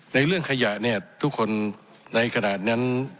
เรื่องขยะเนี่ยทุกคนในขณะนั้น